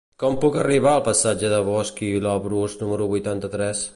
Com puc arribar al passatge de Bosch i Labrús número vuitanta-tres?